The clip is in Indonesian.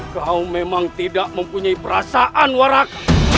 kau memang tidak mempunyai perasaan warak